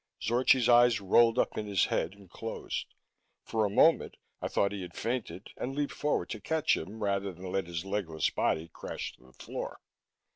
Zorchi's eyes rolled up in his head and closed; for a moment, I thought he had fainted and leaped forward to catch him rather than let his legless body crash to the floor.